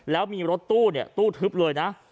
แล้วมีรถตู้เนี่ยตู้ทึบเลยนะ